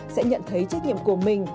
sẽ nhận thấy trách nhiệm của mình